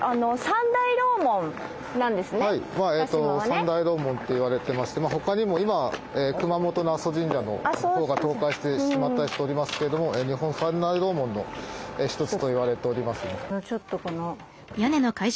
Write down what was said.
三大楼門と言われてまして他にも今熊本の阿蘇神社のほうが倒壊してしまったりしておりますけども日本三大楼門の一つと言われております。